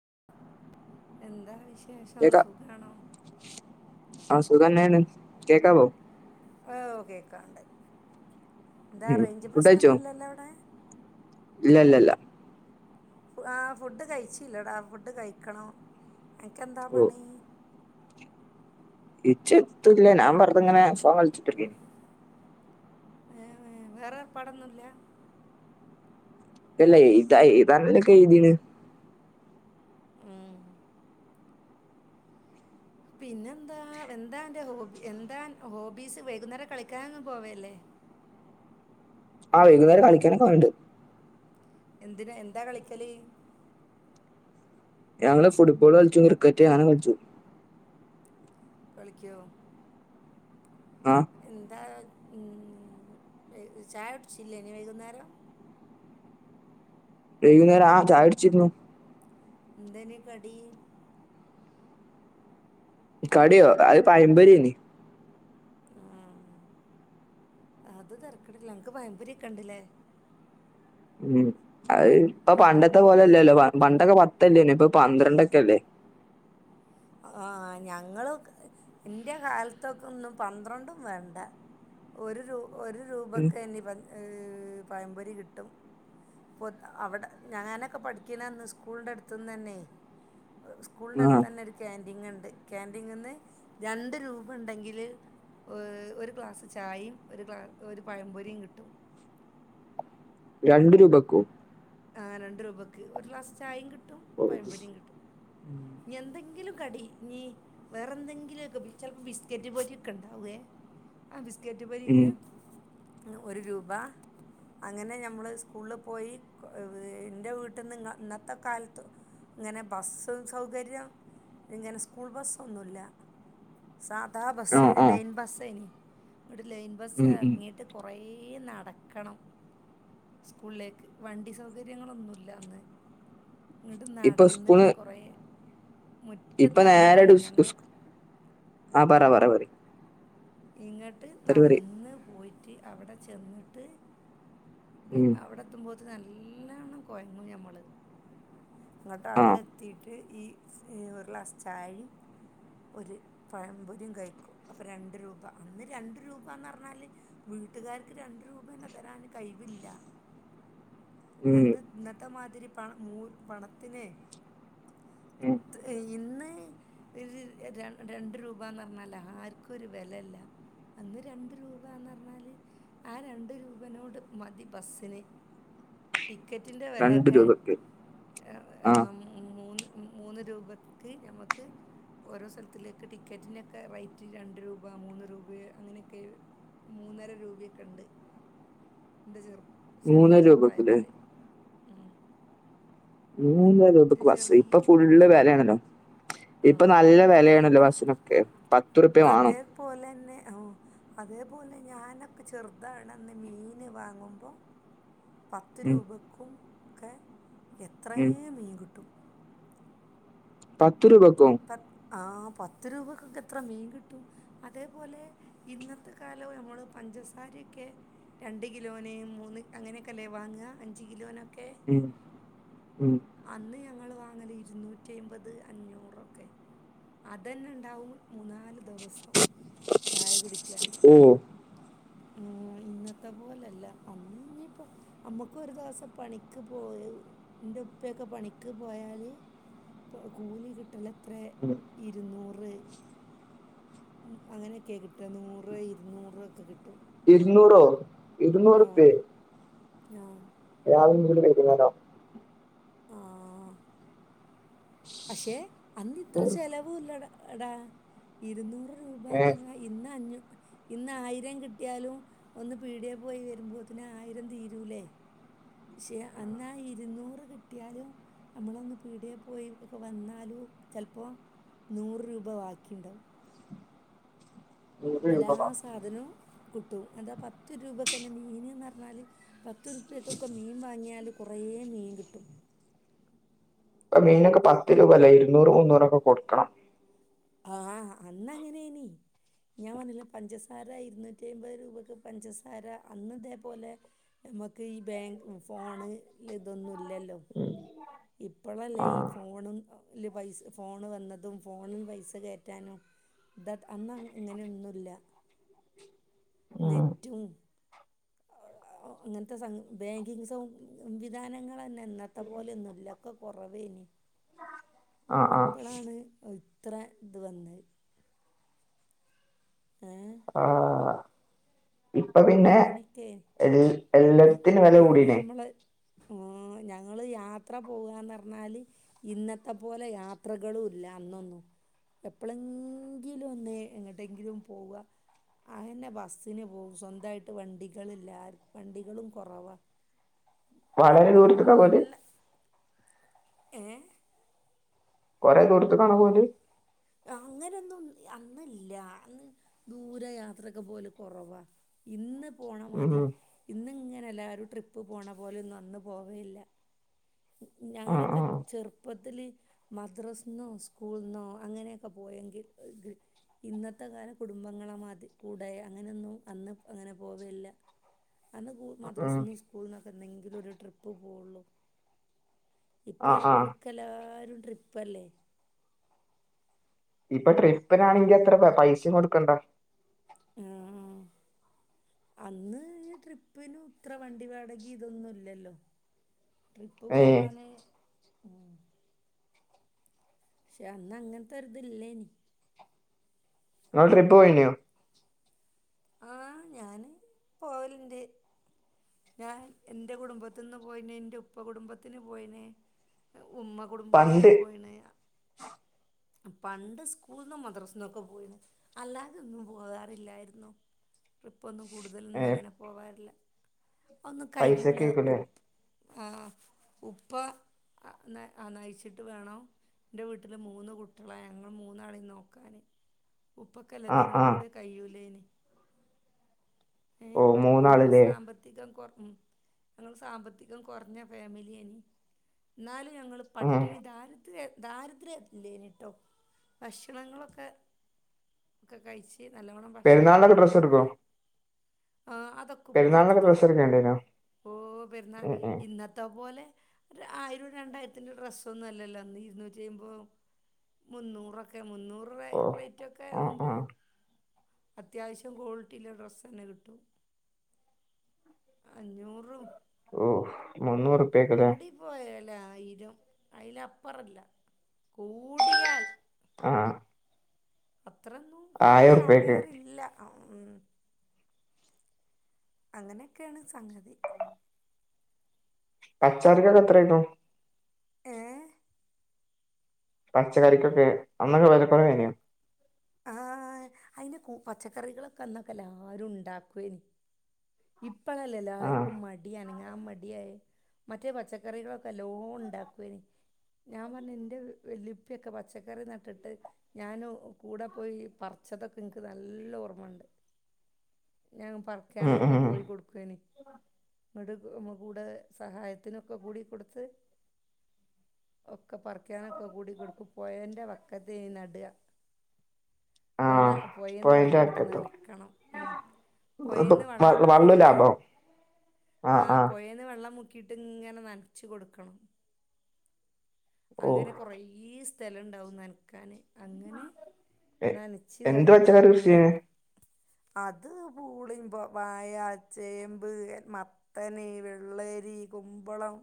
[inaudible] എന്താ വിശേഷം കേക്കാ സുഖണോ ആ സുഖന്നെ ണ് കേക്കാ വോ ഒ കേക്കാണ്ട് എന്താ ഉം റേഞ്ച് ഫുഡ് പ്രശ്ന കഴിച്ചോ ഒന്നുംല്ലല്ലോ അവിടെ ഇല്ല ല്ല ല്ല ആ ഫുഡ് കഴിച്ചില്ലടാ ഫുഡ് കഴിക്കണം എനക്ക്െന്താ പണി ഇച്ചെത്തുല്ല ഞാൻ വറുത ഇങ്ങനെ ഫോണ് കളിച്ചിതൃകെനി ഏ വേറെരു പാടൊന്നുംല്ല ഇല്ല ഇതാ ഇതണല്ലൊക്കെ എഴുതീണ് ഉം. പിന്നെന്താ എന്താ എറെ ഹോബ എന്താ ഹോബീസ് വൈകുന്നേരം കളിക്കാങ്ങ് പോവല്ലേ ആ വൈകുന്നേരം കളിക്കാനൊക്കെ പോവണ്ട് എന്തിനന് എന്താ കളിക്കല് ഞങ്ങള് ഫുട്ബോള് കളിച്ചു ക്രിക്കറ്റ് ഞാനെ കളിച്ചു കളിക്കോ ആ എന്താ ചായ കുടിച്ചില്ലെനിയോ വൈകുന്നേരം രകുന്നേരം ആ ചാടിച്ചിരുന്നു എന്തേന് കടി കടിയോ അത് പയമ്പരന്നീ ആ അത് തെരകെടില്ല അൻക് പയംപൊരികെ ണ്ട് ലെ ഉം അ ഇപ്പ പണ്ടത്തെ പോലെല്ലല്ലോ പണ്ടൊക്കെ പത്തല്ലേ ഇപ്പൊ പന്ത്രണ്ടൊക്കെല്ലേ ആ ഞങ്ങള് എന്റെ കാലത്തൊക്ക ഒന്നും പന്ത്രണ്ടും വേണ്ട ഒരു രൂ ഒരു ഉം രൂപക്ക്നി ഈ പഴംപൊരി കിട്ടും പൊ അവിടെ ഞാനൊക്കെ പഠിക്കണന്ന് സ്കൂളിൻന്റെ അടുത്തുന്ന്ു തന്നെ സ്കൂളിൻ്റെ ആ അടുത്ത് തന്നെ ഒരു ക്യാാന്റ്റീൻ ഇണ്ട് ക്യാന്റ്റീൻ നിന്ന് രണ്ട് രൂപ ഉണ്ടെങ്കിൽ ഒ ഒരു ഗ്ലാസ് ചായയും ഒരു ഗ്ലാ ഒരു പഴംപൊരിയും കിട്ടും രണ്ടു രൂപക്കൂ ആ രണ്ട് രൂപക്ക് ഒരു ഗ്ലാസ് ചായയും കിട്ടും ഓ. പയപൊരിയും കിട്ടും എന്തെങ്കിലും കടി വേറെന്തെങ്കിലുമൊക്കെ ചപ്പോ ബിസ്ക്കറ്റ് പോലൊക്കെ ഉണ്ടാവേ ആ ക്കറ്റ് പരിക്ക് ഉം ഒരു രൂപ അങ്ങനെ നമ്മൾ സ്കൂളിൽ പോയി എ്ന്റെ വീട്ടിൽ നിങ്ങ ഇന്നത്തെ കാലത്ത് ഇങ്ങനെ ബസ്സും സൗകര്യം ഇങ്ങനെ സ്കൂൾ ബസ്സൊന്നുമല്ല സാധാ ആ ബസ്സ് ആ ലൈൻ ബസ്സേനി ഇവിടെ ലൈൻ ബസ്സ് ഉം ഉം ഇറങ്ങിയിട്ട് കുറേ നടക്കണം സ്കൂളിലേക്ക് വണ്ടി സൗകര്യങ്ങളൊന്നുല്ല അന്ന് ഇങ്ങിട്ട് ഇപ്പൊ നടന്നിട്ട് സ്കൂള് കുറെ ഇപ്പൊ നേര ട്ട് സ് ആ പറ പറ പറ ഇങ്ങോട്ട് പരിപാടി നടന്ന് പോയിട്ട് അവിടെ ചെന്നിട്ട് ഉം അവിടെ എത്തുമ പോത്ത നല്ലണം കൊയങ്ങും ഞമ്മള് അങ്ങോട്ട് ആ അവിടെ എത്തിട്ട് ഈ ഒരു ക്ലാസ് ചായും ഒരു പയംപൊരി കഴിക്കും അപ്പൊ രണ്ട രൂപ അന്ന് രണ്ട് രൂപന്ന് പറഞ്ഞാൽ വീട്ടുകാർക്ക് രണ്ട് രൂപ തന്നെ തരാാന് കഴിവില്ല [inaudible] ഉം അന്ന് ഇന്നത്തെമാതിരി പ മൂ പണത്തിനെ ഇ ഉം ഇന്ന് ര് ര രണ്ട് രൂപന്ന് പറഞ്ഞാലേ ആർക്കും ഒരു വിലല്ല ഉ അന്ന് രണ്ട് രൂപന്ന് പറഞ്ഞാല് ആ രണ്ട് രൂപനോട് മതി ബസ്സിന് [unintelligible] ടിക്കറ്റിൻ്റെ രണ്ട് വിലയൊക്കെ രൂപക്ക് ആ മൂന്ന് മൂന്ന് രൂപയ്ക്ക് നഞമുക്ക് ഓരോ സ്ഥലത്തിലേക്ക് ടിക്കറ്റിനൊക്കെ റേറ്റ് രണ്ട് രൂപ മൂന്ന് രൂപ അങ്ങനൊക്കെ മൂന്നര രൂപയൊക്കെ ഉണ്ട് എ ചെുപ്പ മൂന്ന രൂപത്തില്ലേ ഉം ന്താല ബസ് ഇപ്പൊ ഫുഡില് വിലയാണല്ലോ ആ ഇപ്പൊ നല്ല വിലയാണല്ലോ ബസ്സിനൊക്കെ പത്തുറുപ്യ വാണം അതേപോലെന്നെ അതേപോലെ ഞാനൊക്കെ ചെറുതണെന്ന് മീൻ വാങ്ങുമ്പോൾ പത്ത് ഉം രൂപയ്ക്കുംക്കെ എത്രയ ഉം മീൻ കിട്ടും പത്ത് രൂപക്കോ ത ആ് പത്തുരൂപക്കൊക്കെ എത്ര മീൻ കിട്ടും അതേപൊലെ ഇന്നത്തെ കാലവും നമ്മള് പഞ്ചസാര ക്ക് രണ്ട് കിലോനേ മൂന്ന് അങ്ങനെയൊക്കെ അല്ലേ വാങ്ങുക അഞ്ച് കിലോനൊക് ക്കെ ഉം ഉം അന്ന് ഞങ്ങൾ വാങ്ങല് ഇരുന്നൂറ്റിഐമ്പത് അഞ്ഞൂറ്. ഓക്കേ അതന്നുണ്ടാവും മൂന്നാല് ദിവസം ചായ കുടിക്കന് ഓ ഇന്നത്തെ പോലല്ലാ അന്ന് ഞ്ഞിപ്പോ നമ്മുക്ക് ഒരു ദിവസം പണിക്ക് പോയൻറെ ഉപ്പയൊക്കെ പണിക്ക് പോയാല് പ് കൂലി കിട്ടൽ എത്ര ഉം ഇരുന്നൂ റ് അങ്ങനെയൊക്കെയാ കിട്ടുക നൂറ് ഇരുന്നൂറ് ഒക്കെ കിട്ടും. ഇരുന്നൂറോ ആ ഇരുന്നൂറുപേ ആ രാവും ഇട്ട് വരുന്നാലോ ആ പക്ഷെ അന്ന് ഇത്ര നൂറ് ചെലവ് ഇല്ലട എടാ ഇരുന്നൂറ് രൂപാന്ന് ഏ പറഞ്ഞാൽ ഇന്ന് അഞ്ഞൂ ഇന്ന് ആയിരം കിട്ടിയാലും ഒന്ന് പീഡികയി പോയി വരുമ്പോത്തിന് ആയിരം തീരൂല്ലേ പക്ഷെ അന്നാ ഇരുന്നൂറ് കിട്ടിയാലും നമ്മളൊന്ന് പീടിയെ പോയി വന്നാലും ചിലപ്പം നൂറ് രൂപ ബാക്കിയുണ്ടാവും നൂറ് എല്ലാ രൂപ വാ സാധനവും കിട്ടും. എന്താ പത്ത് രൂപയ്ക്ക് തന്നെ മീനെന്ന് പറഞ്ഞാൽ പത്ത് രൂപക്കൊക്കെ മീൻ വാങ്ങിയാൽ കൊറേ റേ മീൻ കിട്ടും ഇപ്പം മീനൊക്കെ പത്ത് രൂപ അല്ലേ ഇരുന്നൂറ് മുന്നൂറൊക്കെ കൊടുക്കണം ആ അന്നങ്ങനെയനി ഞാൻ പഞ്ഞില്ലേ പഞ്ചസാര ഇരുന്നൂറ്റി അമ്പത് രൂപക്ക് പഞ്ചസാര അന്നതേപോലെ നമുക്ക് ഈ ബാങ്ക് ഫോണ് ഇതൊന്നു ഇല്ലല്ലോ ഇപ്പളല്ലേ ആ ഈ ഫോണും ൽ പൈസ ഫോണ് വന്നതും ഫോണിൽ പൈസ കേറ്റാനും ഇത അന്ന് അങ്ങ് ഇങ്ങനെയൊന്നുമില്ല ഉം നെറ്റും ഇന്നത്തെ സംഗ് ബാങ്കിങ് സംവിധാനങ്ങളതന്നെ ഇന്നത്തെ പോലെയൊന്നുമല്ല. ഇല്ലൊക്കെ കുറവേനി ആ ആ ഇപ്പളാണ് ഇത്ര ഇത് വന്നത് ഏ ആ ഇപ്പൊ പിന്നെ അങ്ങനൊക്കെ എ പി എല്ലാത്തിനും വില പിന്നെ കൂടീനെ നമ്മള് ഹ ഞ ങ്ങൾ യാത്ര പോകാന്ന് പറഞ്ഞാല് ഇന്നത്തെപോലെ യാത്രകളും ഇല്ല അന്നൊന്നും. എപ്പോഴെങ്കിലും ഒന്നേ എങ്ങട്ടെങ്കിലും പോവുക അങ്ങനെ ബസ്സിന് പോവും സ്വന്തായിട്ട് വണ്ടികളില്ല വണ്ടികളും കുറവാ വളരെ ദൂരത്തൊക്കാ പോവല് ഏ കൊറേ ദൂരത്തേക്കാണോ പോവല് അങ്ങനൊന്നും അന്നില്ല അന്ന് ദൂരെ യാത്രക്കെ പോവല് കൊറവാ ഇന്ന് ഉം പോണമാതിരി ഇന്ന് ഇങ്ങനല്ല ഒരു ട്രിപ്പ് പോണ പോലെ ഒന്നും അന്ന് പോകയില്ല ആ ആ ഞങ്ങളൊക്കെ ചെറുപ്പത്തില് മദ്രാസിന്നോ സ്കൂളിന്നോ അങ്ങനെയൊക്കെ പോയെങ്കിൽ ഇന്നത്തെ കാലം കുടുംബങ്ങളെ മാതി കൂടെ അങ്ങനെയൊന്നും അന്ന് അങ്ങനെ പോവലില്ല അന്ന് കൂ ഉം മദ്രസിൽ നിന്ന് സ്കൂളന്നൊക്കെ എന്തെങ്കിലും ഒരു ട്രിപ്പ് പോവുള്ളു ഇപ്പ ആ ആ ഇടക്കിടക്ക് എല്ലാരും ട്രിപ്പല്ലേ ഇപ്പൊ ട്രിപ്പിനാണെങ്കി അത്ര പൈസയും കൊടുക്കണ്ട ആ അന്ന് ഈ ട്രിപ്പിിനന് ഇത്ര വണ്ടി വാടകി ഇതൊന്നും ഇല്ലല്ലോ ട്രിപ്പ് ഏ പോവാന് പക്ഷെ അന്ന് അങ്ങനത്തെരുതല്ലേനി നങ്ങള് ട്രിപ്പ് പോയിനോ ആഹ ഞാന് പോവലിന്റെ ഞാൻ എൻറെ കുടുംബത്തിന്ന് പോയിനെ എറെ ഉപ്പ കുടുംബത്തിന് പോയിനെ ഉമ്മ കുടുംബത്തിന്ന് പണ്ട് പോയിണ പണ്ട് സ്കൂള നിന്ന മദ്രാസിൽന്നൊക്കെ പോയിണ് അല്ലാതെ ഒന്നും പോകാറില്ലായിുന്നോ ട്രിപ്പൊന്നും കൂടുതലൊന്നും ഏ അങ്ങനെ പോകാറില്ല ഒന്നും കയൂല ഉ് പൈസക്കേക്കുല്ലേ ആ ഉപ്പ ആ ആ നയിച്ചിട്ട് വേണോ എന്റെ വീട്ടില് മൂന്ന് കുട്ടികളാ ഞങ്ങൾ മൂന്നാളെ നോക്കാാന് ആ ഉപ്പക്കലത്തിനും ആ കൂടെ കയ്യൂലേന ഓ മൂന്നാളല്ലേ ഉ ഞങ്ങ സാമ്പത്തികം കുറഞ്ഞ ഫാമിലിയ എന്നും ഞങ്ങൾ ഉം പട്ടിണി താൻ ഇത് ദാരിദ്ര്യല്ലേന കേട്ടോ ഭക്ഷണങ്ങളൊക്കെ ഒക്കെ കഴിച്ചച്ച് ചച്ച നല്ലവണ്ണം ഭക്ഷണം എ പ്ര്രശർക്ക അതൊക്കെ ഉപ്പെെടുത്ത് തരും എടുക്കേണ്ടേനോ ഓ വരുന്നാൽ ഉം ഉം ഇന്നത്തെ പോലെ ഒരു ആയിരം രണ്ടായിരത്തിന്റെ ഡ്രസ്സ ഒന്നും അല്ലല്ലോ അന്ന് ഇരുന്നൂറ്റഴുമ്പോ മുന്നൂറൊക്കെ മുന്നൂറ് ഓ റേറ്റ് ഒക്കെ ആ ആവുമ്പോ ആ അത്യാവശ്യം ക്വാളിറ്റിയില ഡ്രസ്സ് തന്നെ കിട്ടും അഞ്ഞൂറും ഓ മുന്നൂറുപ്യക്കല്ലേ അല്ല ആയിരും അതിലപ്പുറല്ല കൂടിയാൽ ആ അത്രൊന്നും ആയിരറുപ്യക്ക് കൂടുതൽാകാറില്ല ഉ അങ്ങനെയൊക്കെയാണ് സംഗതി പച്ചാറക്കൊക്കെ എത്രായിക്കും ഏ പച്ചക്കറിക്കൊക്കെ അന്നൊക്കെ വരെ കുറവനെയാ ആഹ അയിെ പച്ചക്കറികളൊക്കെൊക്കെ എല്ലാരും ഉണ്ടാക്കുേനി ഇപ്പഴല്ല ആഹ് എല്ലാവർക്കും മട അണങ്ങ ൻ മടിയായി മറ്റേ പച്ചക്കറികളൊക്കെ എല്ലോ ഉണ്ടാക്കുന് ഞാൻ പറഞ്ഞ എന്റെ വല്ലിപ്പിയൊക്കെ പച്ചക്കറി നട്ടിട്ട് ഞൻ കൂടെ പോയി പറ പച്ചതൊക്കെ നിനിക്ക് നല്ല ഓർമ്മുണ്ട് [unintelligible] ഞാൻ ഉം പറക്കാനൊക്കെ ഉം പോയി കൊൊടുക്കുന് മടമ്മ കൂടെ സഹായത്തിനൊക്കെ കൂടി കൊടുത്ത് ഒക്കെ പറക്കാനൊക്കെ കൂടിിക്കൊടുക്കും പോയറെ വക്കത്ത നുക [unintelligible] നിന്ന ആഹ് പോയിന്ന് വെള്ളം പൊഴന്റെവക്കത്തോ എടുത്തനക്കണം ഉ പോയിന്ന് വെള്ളം വള്ളു മുക്കിയിട്ടേ ലാഭം ആഹ ആ ആഹ പുഴേന്ന് വെള്ളം മുക്കിട്ട് ഇങ്ങനെ നനച്ച കൊടുക്കണം അങ്ങനെ ഓഹ് കുറേ സ്ഥലുണ്ടാവും നനക്കാന് അങ്ങനെ നനച്ച എന്ത് പച്ചക്കറി ഇതാക്കിയിട്ടൊക്കെയാണ് കൃഷിയാണ് അത് പൂളിയുമ്പോ വായ ചേമ്പ് മത്തന വെള്ളരി ക ം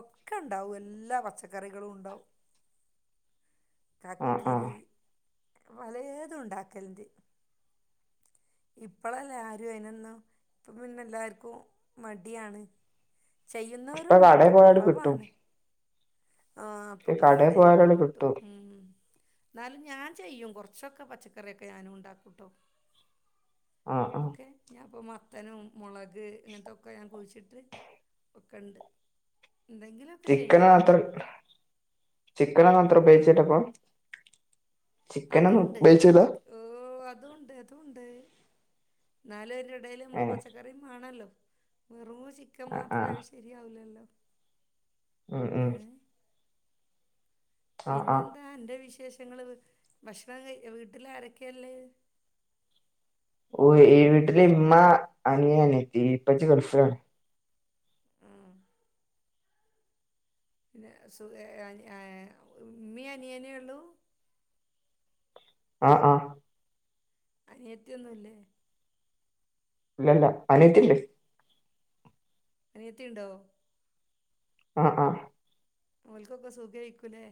ഒക്കെ ഉണ്ടാവും എല്ലാ പച്ചക്കറികളും ഉണ്ടാവും ആഹ് ആഹ് കക്കിരി വലതുും ഉണ്ടാക്കൽന്ത് ഇപ്പളല്ല ആരുും അനന്നോ ഇപ്പ പിന്നെല്ലാർക്കും മടിയാണ് ഇപ്പൊ കടയിൽ ചെയ്യുന്നവരുണ്ട്ട്ടോ പോയാല് കിട്ടും കുറവാണ് ആഹ് അപ്പൊക്കെ കടയിൽ പോയ കിട്ടും മ്മ് എന്നാലും ഞാൻ ചെയ്യും കൊറച്ചൊക്കെ പച്ചക്കറിയൊക്കെ ഞാനും ഉണ്ടാക്കൂട്ടോ ആഹ് ആഹ് ഒക്കെ ഞാൻ ഇപ്പൊ മത്തനും മുളക് ഇങ്ങനത്തൊക്കെ ഞാൻ കുഴിച്ചിട്ട് ട്ട് ഒക്കെ ഉണ്ട് എന്തെങ്കിലുമൊക്കെ ചിക്കൻ ചെയ്യും ഞാൻ അത്ര ചിക്കനൊന്നും അത്ര ഉപയോഗിച്ചിട്ടപ്പോ അതുംണ്ട് ഓഹ് അതുംണ്ട് അതുംണ്ട് ന്നാലും ഇടേൽ നമ്മൾ ഏഹ് പച്ചക്കറിയും വേണമല്ലോ വെറും ചിക്കൻ ആഹ് മാത്രമായ ശരിയാവില്ലല്ലോ മ്മ് മ്മ് ഏ പിന്നെന്താ അന്റെ വിശേഷം ഷങ്ങള് ഭക്ഷണം കയി വീട്ടിൽ ആരൊക്കെയല്ലേ ഓഹ് ഇ വീട്ടില് ഇമ്മ അനിയൻ അനിയത്തി ഇപ്പച്ചി ഗൾഫിലാണ് മ്മ് പിന്നെ സുഖ ഏ ഏ ഏ ഉമ്മേം അനിയനേ ഉള്ളു ആഹ് ആഹ് അനിയത്തി ഒന്നുല്ലേ ഇല്ലല്ല അനിയത്തിണ്ട് അനിയത്തിയുണ്ടോ ആഹ് ആഹ് ഓല്ക്കൊക്കെ സുഖായിരിക്കൂലേ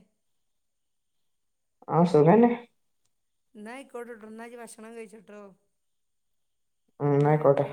ആഹ് സുഖന്നെ എന്നാ ആയ്ക്കോട്ടെട്ടൊ എന്നാ ഇഞ്ഞ് ഭക്ഷണം കഴിച്ചോട്ടോ മ്മ് എന്നാ ആയ്ക്കോട്ടെ